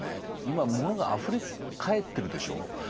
今物があふれかえってるでしょう？